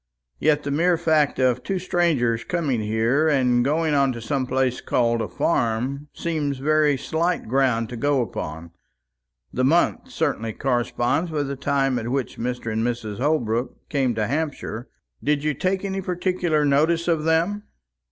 Yet the mere fact of two strangers coming here, and going on to some place called a farm, seems very slight ground to go upon. The month certainly corresponds with the time at which Mr. and Mrs. Holbrook came to Hampshire. Did you take any particular notice of them?"